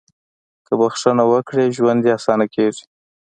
• که بښنه وکړې، ژوند دې اسانه کېږي.